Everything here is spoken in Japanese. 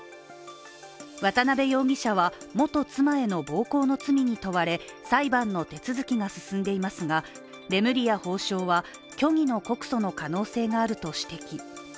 渡辺容疑者は、元妻への暴行の罪に問われ裁判の手続きが進んでいますがレムリヤ法相は告訴の可能性があると指摘。